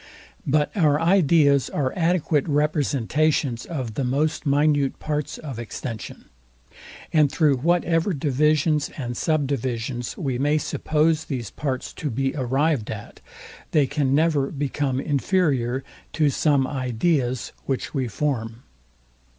But our ideas are adequate representations of the most minute parts of extension; and through whatever divisions and subdivisions we may suppose these parts to be arrived at, they can never become inferior to some ideas, which we form.